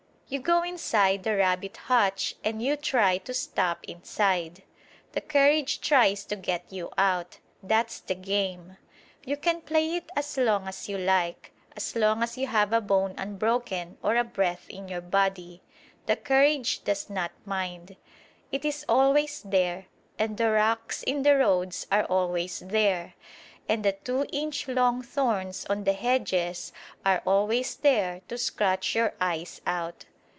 You go inside the rabbit hutch and you try to stop inside. The carriage tries to get you out. That's the game. You can play it as long as you like, as long as you have a bone unbroken or a breath in your body. The carriage does not mind. It is always there, and the rocks in the roads are always there; and the two inch long thorns on the hedges are always there to scratch your eyes out.